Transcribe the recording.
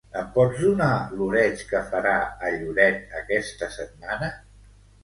Em pots donar l'oreig que farà a Lloret aquesta setmana?